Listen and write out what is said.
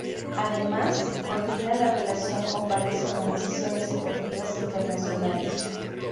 Además, coordina la relación con varias organizaciones deportivas internacionales.